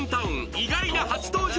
意外な初登場